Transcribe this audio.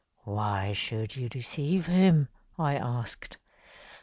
'Why should you deceive him?' I asked.